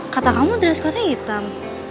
kata kamu dress code nya hitam